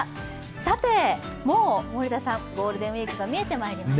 さて、もう森田さん、ゴールデンウイークが見えてきました。